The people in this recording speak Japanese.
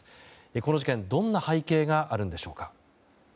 この事件、どんな背景があるんでしょうか？